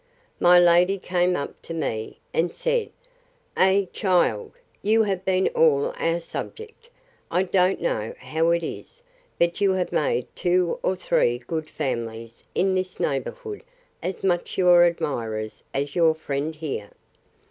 My lady came up to me, and said, Ay, child, you have been all our subject. I don't know how it is: but you have made two or three good families, in this neighbourhood, as much your admirers, as your friend here.